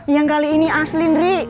yang kali ini aslin drik